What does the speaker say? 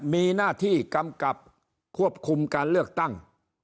มีหน้าที่กำกับควบคุมการเลือกตั้ง